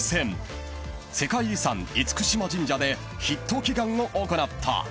［世界遺産厳島神社でヒット祈願を行った］